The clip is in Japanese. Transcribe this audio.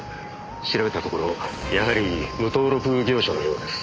調べたところやはり無登録業者のようです。